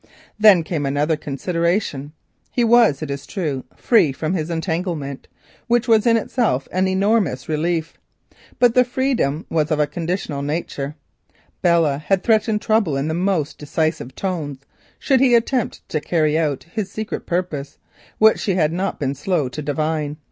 Then came another consideration. He was, it is true, free from his entanglement, in itself an enormous relief, but the freedom was of a conditional nature. Belle had threatened trouble in the most decisive tones should he attempt to carry out his secret purpose of marrying Ida, which she had not been slow to divine.